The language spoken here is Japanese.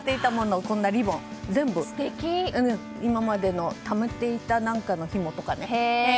全部、今までのためていた何かのひもとかね。